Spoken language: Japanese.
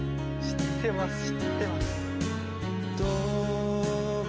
知ってます。